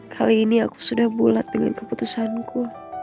kali ini aku sudah bulat dengan keputusanku